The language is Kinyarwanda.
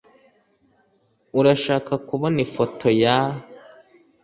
Urashaka kubona ifoto ya ?